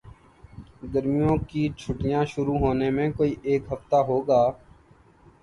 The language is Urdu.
گرمیوں کی چھٹیاں شروع ہونے میں کوئی ایک ہفتہ ہو گا